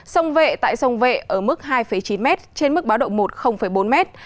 sông vệ tại sông vệ ở mức hai chín mét trên mức báo động một bốn mét